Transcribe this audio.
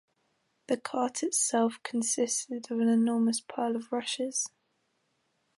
The cart itself consisted of an enormous pile of rushes.